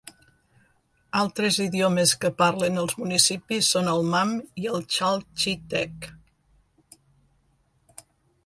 Altres idiomes que parlen als municipis són el Mam i el Chalchitek.